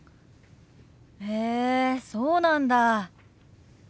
へえそうなんだ。